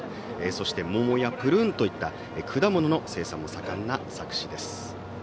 そして、桃やプルーんといった果物の生産も盛んな佐久市です。